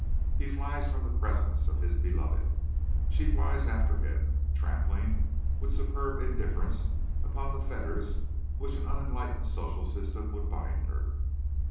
He flies from the presence of his beloved. She flies after him, trampling, with superb indifference, upon the fetters with which an unenlightened social system would bind her.